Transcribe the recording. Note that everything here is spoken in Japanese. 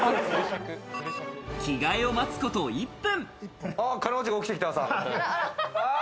着替えを待つこと１分。